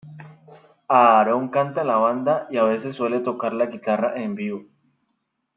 Aaron canta en la banda y a veces suele tocar la guitarra en vivo.